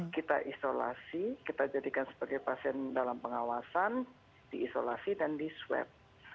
kita isolasi kita jadikan sebagai pasien dalam pengawasan diisolasi dan di swab